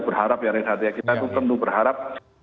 berharap ya kita tentu berharap